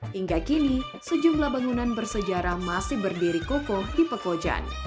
hingga kini sejumlah bangunan bersejarah masih berdiri kokoh di pekojan